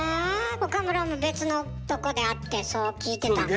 岡村も別のとこで会ってそう聞いてたの？